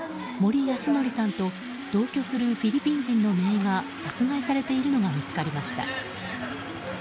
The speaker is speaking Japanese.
モリ・ヤスノリさんと同居するフィリピン人のめいが殺害されているのが見つかりました。